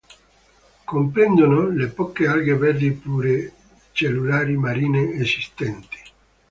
Comprendono le poche alghe verdi pluricellulari marine esistenti.